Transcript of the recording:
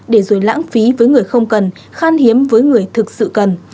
để rồi lãng phí với người không cần khan hiếm với người thực sự cần